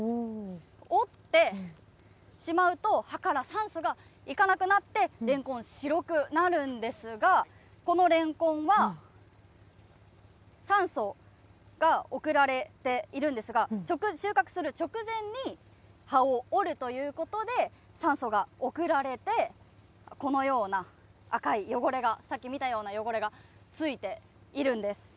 折ってしまうと、葉から酸素がいかなくなって、レンコン、白くなるんですが、このレンコンは酸素が送られているんですが、収穫する直前に葉を折るということで、酸素が送られて、このような赤い汚れが、さっき見たような汚れがついているんです。